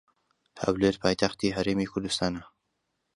هەولێر پایتەختی هەرێمی کوردستانە.